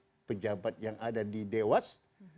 atau seorang pejabat yang ada di dewas